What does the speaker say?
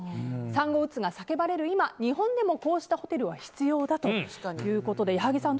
産後うつが叫ばれる今日本にもこうしたホテルは必要だということで矢作さん